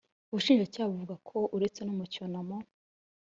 Ubushinjacyaha buvuga ko uretse no mu cyunamo